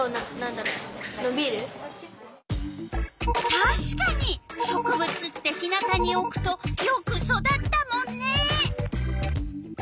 たしかに植物って日なたにおくとよく育ったもんね。